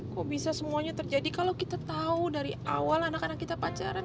kok bisa semuanya terjadi kalau kita tahu dari awal anak anak kita pacaran